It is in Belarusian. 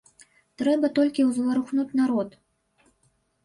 Трэба толькі ўзварухнуць народ.